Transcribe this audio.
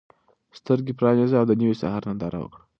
سترګې پرانیزه او د نوي سهار ننداره وکړه.